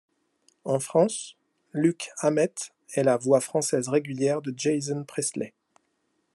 En France, Luq Hamet est la voix française régulière de Jason Priestley.